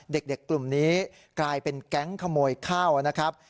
เด็กกลุ่มนี้กลายเป็นแก๊งขโมยข้าวนะครับ